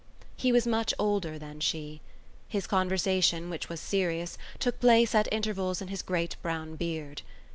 He was much older than she. His conversation, which was serious, took place at intervals in his great brown beard.